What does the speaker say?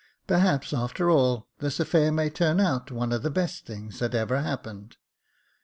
Perhaps, after all, this affair may turn out one of the best things that ever happened.